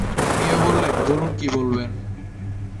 মিয়া বললেন, বলুন কি বলবেন।